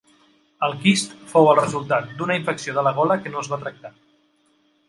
El quist fou el resultat d'una infecció de la gola que no es va tractar.